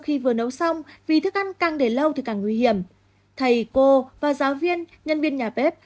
khi vừa nấu xong vì thức ăn càng để lâu thì càng nguy hiểm thầy cô và giáo viên nhân viên nhà bếp